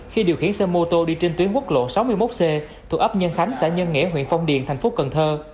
khi điều khiển xe mô tô đi trên tuyến quốc lộ sáu mươi một c thuộc ấp nhân khánh xã nhân nghĩa huyện phong điền thành phố cần thơ